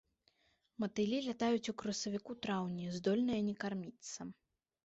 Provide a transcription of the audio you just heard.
Матылі лятаюць у красавіку-траўні, здольныя не карміцца.